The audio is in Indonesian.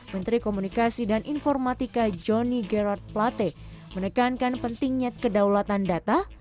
menteri komunikasi dan informatika johnny gerod plate menekankan pentingnya kedaulatan data